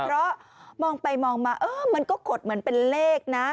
เพราะมองไปมองมามันก็ขดเหมือนเป็นเลขนะ